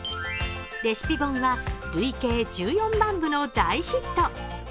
レシピ本は累計１４万部の大ヒット。